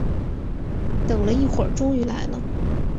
等了一会儿终于来了